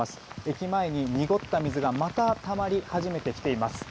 駅前に濁った水がまたたまり始めてきています。